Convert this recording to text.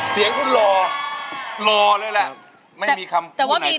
สีของคุณรอรอเลยละไม่มีคำพูดไหนจะบอกว่าสินะ